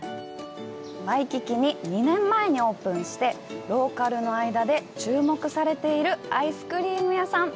ワイキキに２年前にオープンして、ローカルの間で注目されているアイスクリーム屋さん。